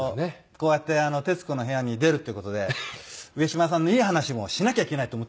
こうやって『徹子の部屋』に出るっていう事で上島さんのいい話もしなきゃいけないと思って。